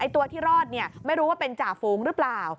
ตัวที่รอดไม่รู้ว่าเป็นจ่าฝูงหรือเปล่า